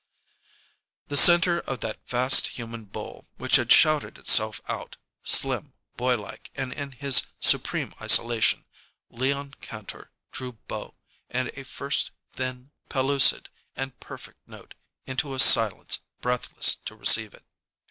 The center of that vast human bowl which had shouted itself out, slim, boylike, and in his supreme isolation, Leon Kantor drew bow and a first thin, pellucid, and perfect note into a silence breathless to receive it.